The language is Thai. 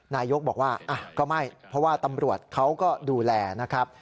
นายกบอกว่าก็ไม่เพราะว่าตำรวจเขาก็ดูแลนะครับ